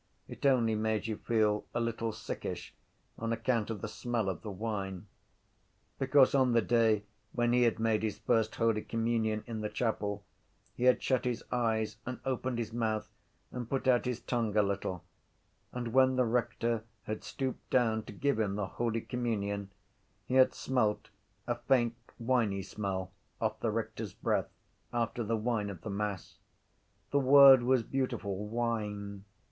It only made you feel a little sickish on account of the smell of the wine. Because on the day when he had made his first holy communion in the chapel he had shut his eyes and opened his mouth and put out his tongue a little: and when the rector had stooped down to give him the holy communion he had smelt a faint winy smell off the rector’s breath after the wine of the mass. The word was beautiful: wine.